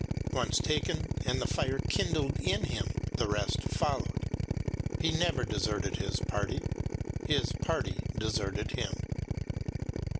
Once taken and the fire kindled in him, the rest followed. He never deserted his party ; his party deserted him.